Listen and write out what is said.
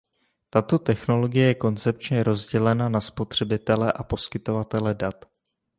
Tato technologie je koncepčně rozdělena na spotřebitele a poskytovatele dat.